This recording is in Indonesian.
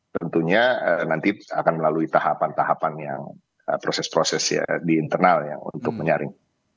tentunya nanti akan melalui tahapan tahapan yang proses proses di internal yang untuk menyaring